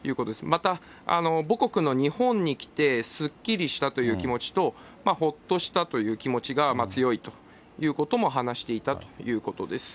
また母国の日本に来て、すっきりしたという気持ちと、ほっとしたという気持ちが強いということも話していたということです。